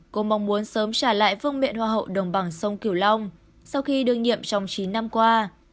cô mong muốn sớm trả lại phương miệng hoa hậu đồng bằng sông cửu long sau khi đương nhiệm trong chín năm qua